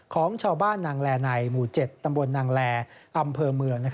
ของชาวบ้านนางแลในหมู่๗ตำบลนางแลอำเภอเมือง